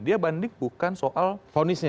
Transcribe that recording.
dia banding bukan soal ponisnya